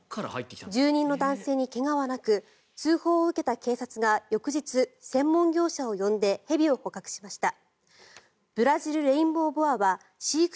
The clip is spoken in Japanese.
住人の男性に怪我はなく通報を受けた警察が翌日、専門業者を呼んで蛇を捕獲しました。